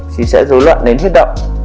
thì sẽ dối loạn đến huyết động